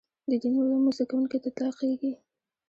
د دیني علومو زده کوونکي ته اطلاقېږي.